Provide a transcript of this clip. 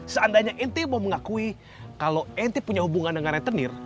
seandainya nt mau mengakui kalau nt punya hubungan dengan retenir